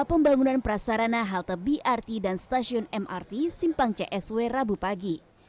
pembangunan prasarana halte brt dan stasiun mrt simpang csw rabu pagi